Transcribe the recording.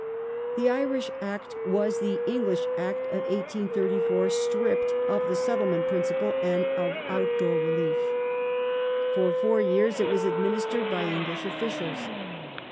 The Irish Act was the English Act of 1834, stripped of the settlement principle and ''out door relief". For four years it was administered by English officials.